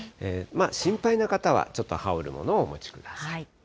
心配な方は、ちょっと羽織るものをお持ちください。